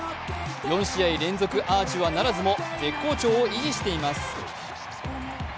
４試合連続アーチはならずも絶好調を維持しています。